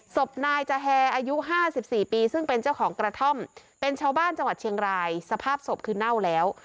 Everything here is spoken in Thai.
ศพนายจะแฮอายุ๕๔ปีซึ่งเป็นเจ้าของกระท่อมเป็นชาวบ้านจังหวัดเชียงรายสภาพศพคือเน่าแล้ว